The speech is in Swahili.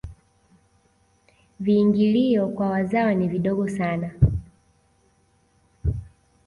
viingilio kwa wazawa ni vidogo sana